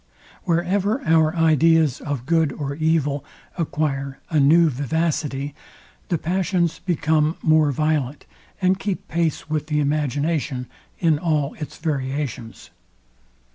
Wherever our ideas of good or evil acquire a new vivacity, the passions become more violent; and keep pace with the imagination in all its variations.